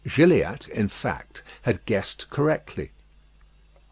Gilliatt, in fact, had guessed correctly.